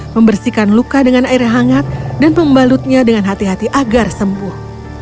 membersihkan luka dengan air hangat dan pembalutnya dengan hati hati agar sembuh